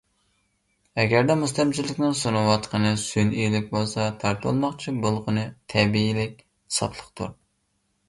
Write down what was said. ئەگەردە مۇستەملىكىچىنىڭ سۇنۇۋاتقىنى سۈنئىيلىك بولسا، تارتىۋالماقچى بولغىنى تەبىئىيلىك، ساپلىقتۇر.